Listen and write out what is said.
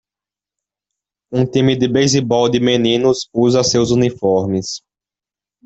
Um time de beisebol de meninos usa seus uniformes.